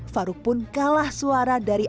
faruk pun kalah suara dari